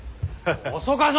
遅かぞ！